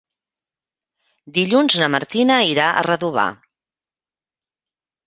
Dilluns na Martina irà a Redovà.